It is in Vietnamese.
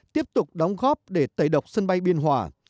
tiếp tục đóng góp để tẩy độc sân bay biên hòa